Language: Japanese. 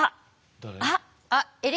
誰？